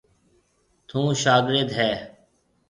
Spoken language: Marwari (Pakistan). ٿُون شاگرِيد هيَ۔